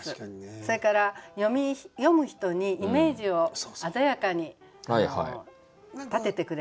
それから読む人にイメージを鮮やかに立ててくれます。